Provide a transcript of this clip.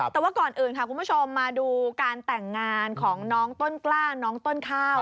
แต่ว่าก่อนอื่นค่ะคุณผู้ชมมาดูการแต่งงานของน้องต้นกล้าน้องต้นข้าว